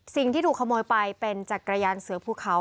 สิ่งที่ถูกขโมยไปเป็นจักรยานเสือภูเขา